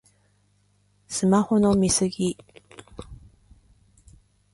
スマホの見過ぎ